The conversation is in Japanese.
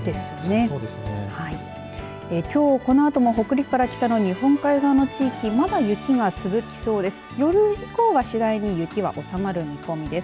きょうこのあとも北陸からの日本海側の地域はまだ雪が続きそうです。